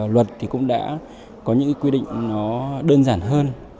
luật thì cũng đã có những quy định nó đơn giản hơn